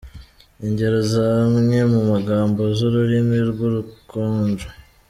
Ingero z’amwe mu magambo y’Ururimi rw’Urukonjo.